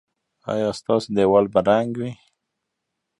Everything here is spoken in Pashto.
ایا ستاسو دیوال به رنګ وي؟